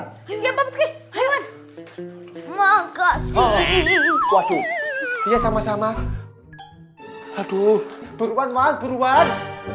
waduh iya sama sama aduh beruan beruan